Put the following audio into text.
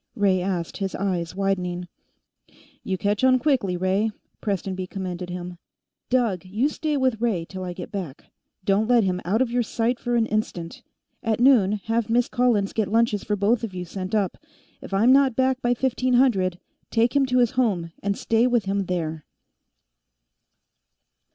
Ray asked, his eyes widening. "You catch on quickly, Ray," Prestonby commended him. "Doug, you stay with Ray till I get back. Don't let him out of your sight for an instant. At noon, have Miss Collins get lunches for both of you sent up; if I'm not back by fifteen hundred, take him to his home, and stay with him there."